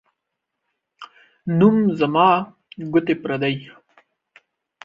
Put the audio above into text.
نوم زما ، گوتي پردۍ.